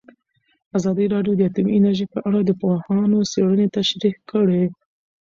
ازادي راډیو د اټومي انرژي په اړه د پوهانو څېړنې تشریح کړې.